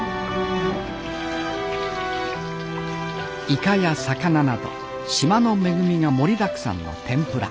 イカや魚など島の恵みが盛りだくさんの天ぷら。